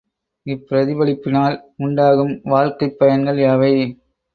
இப்பிரதிபலிப்பினால் உண்டாகும் வாழ்க்கைப் பயன்கள் யாவை?